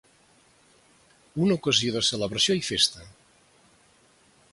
Una ocasió de celebració i festa.